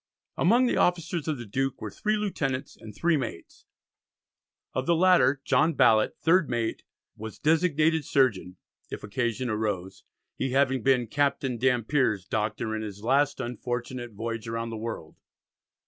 Among the officers of the Duke were three lieutenants and three mates. Of the latter, John Ballet, third mate, was designated surgeon if occasion arose, he having been "Captain Dampier's Doctor in his last unfortunate voyage round the world."